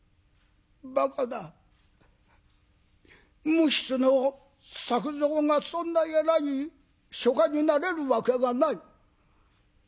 「ばかな無筆の作蔵がそんな偉い書家になれるわけがない」。